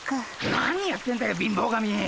何やってんだよ貧乏神！